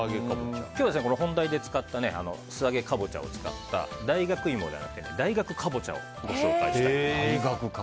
今日は本題で使った素揚げカボチャを使った大学芋ではなく大学カボチャをご紹介したいと思います。